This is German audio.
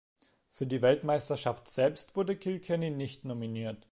Für die Weltmeisterschaft selbst wurde Kilkenny nicht nominiert.